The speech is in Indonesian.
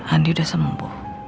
andi udah sembuh